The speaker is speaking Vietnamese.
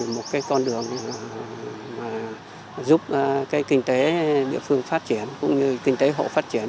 một cái con đường mà giúp cái kinh tế địa phương phát triển cũng như kinh tế hộ phát triển